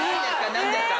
何ですか？